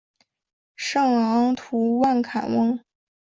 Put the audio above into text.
圣昂图万坎翁。